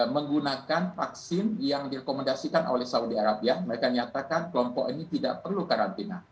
menggunakan vaksin yang direkomendasikan oleh saudi arabia mereka nyatakan kelompok ini tidak perlu karantina